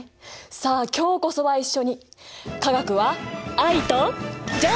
さあ今日こそは一緒に化学は愛と情熱！